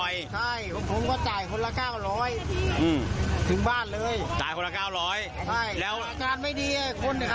ยังไงเมาหรือว่าไงคล้ายยังไงเมา